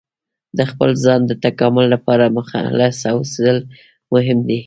د خپل ځان د تکامل لپاره مخلص اوسیدل مهم دي.